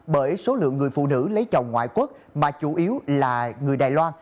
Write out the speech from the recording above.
bởi số lượng người phụ nữ lấy chồng ngoại quốc mà chủ yếu là người đài loan